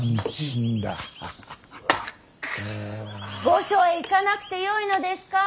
御所へ行かなくてよいのですか。